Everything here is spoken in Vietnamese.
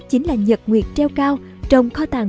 chính là nhật nguyệt treo cao trong kho tàng